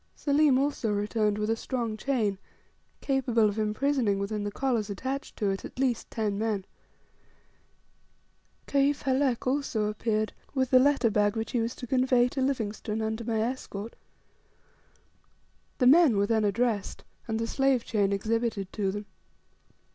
Selim also returned with a strong chain, capable of imprisoning within the collars attached to it at least ten men. Kaif Halek also appeared with the letter bag which he was to convey to Livingstone under my escort. The men were then addressed, and the slave chain exhibited to them.